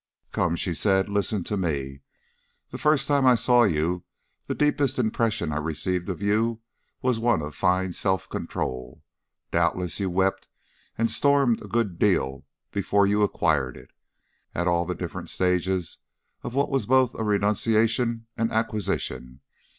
"Come," she said, "listen to me. The first time I saw you the deepest impression I received of you was one of fine self control. Doubtless you wept and stormed a good deal before you acquired it at all the different stages of what was both renunciation and acquisition.